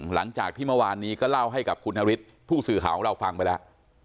หลังจากที่เมื่อวานนี้ก็เล่าให้กับคุณนฤทธิ์ผู้สื่อข่าวของเราฟังไปแล้ว